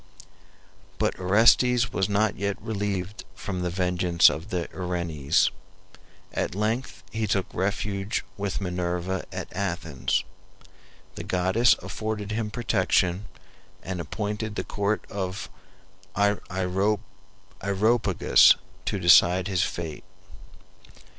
But Orestes was not yet relieved from the vengeance of the Erinyes. At length he took refuge with Minerva at Athens. The goddess afforded him protection, and appointed the court of Areopagus to decide his fate.